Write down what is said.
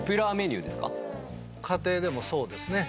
家庭でもそうですね。